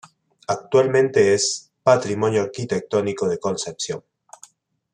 Actualmente es "Patrimonio Arquitectónico de Concepción".